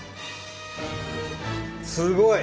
すごい！